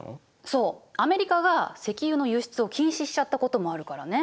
そうアメリカが石油の輸出を禁止しちゃったこともあるからね。